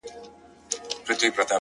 کمزوری سوئ يمه _ څه رنگه دي ياده کړمه _